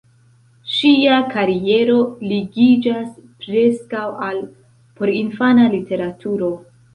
Ŝia kariero ligiĝas preskaŭ al porinfana literaturo.